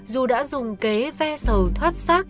dù đã dùng kế ve sầu thoát sát